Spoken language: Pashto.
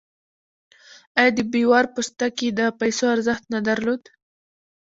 آیا د بیور پوستکي د پیسو ارزښت نه درلود؟